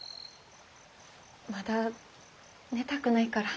・まだ寝たくないから。